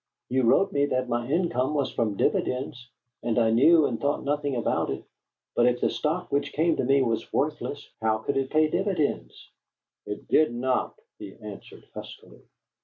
"You wrote me that my income was from dividends, and I knew and thought nothing about it; but if the stock which came to me was worthless, how could it pay dividends?" "It did not," he answered, huskily.